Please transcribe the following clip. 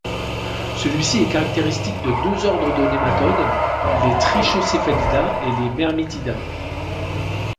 Celui-ci est caractéristique de deux ordres de Nématodes, les Trichocephalida et les Mermithida.